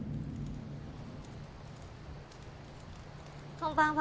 こんばんは。